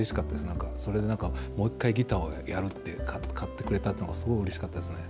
なんか、それでもう一回ギターをやるって、買ってくれたっていうのは、すごいうれしかったですね。